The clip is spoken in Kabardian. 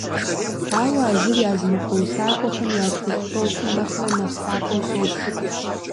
Ауэ а зыр языныкъуэ усакӀуэхэм я тхылъ тӀощӀым нэхърэ нэхъ лъапӀэу собж.